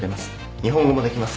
日本語もできます。